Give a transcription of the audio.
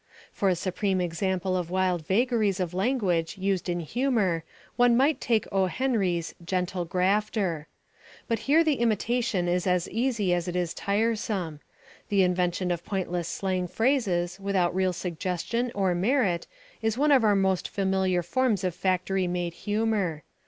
For a supreme example of wild vagaries of language used for humour, one might take O. Henry's "Gentle Grafter." But here the imitation is as easy as it is tiresome. The invention of pointless slang phrases without real suggestion or merit is one of our most familiar forms of factory made humour.